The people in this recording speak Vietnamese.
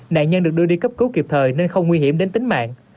nạn nhân được đưa đi cấp cứu kịp thời nên không nguy hiểm đến tính mạng